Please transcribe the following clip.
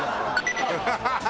ハハハハ！